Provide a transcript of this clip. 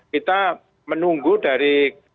kita menunggu dari